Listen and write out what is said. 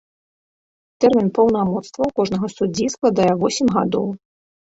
Тэрмін паўнамоцтваў кожнага суддзі складае восем гадоў.